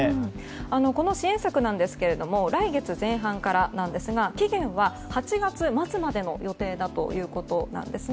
この支援策なんですが来月前半からですが期限は８月末までの予定だということです。